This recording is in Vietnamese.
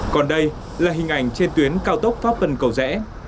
còn đây là hình ảnh trên tuyến cao tốc pháp vân cầu rẽ